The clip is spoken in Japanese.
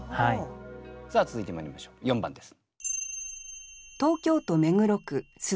さあ続いてまいりましょう４番です。